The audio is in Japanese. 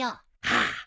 ああ。